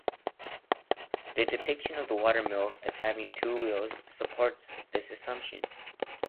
The depiction of the watermill as having two wheels supports this assumption.